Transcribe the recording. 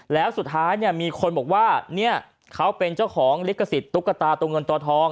แล้วสุดท้ายเนี่ยมีคนบอกว่าเนี่ยเขาเป็นเจ้าของลิขสิทธิตุ๊กตาตัวเงินตัวทอง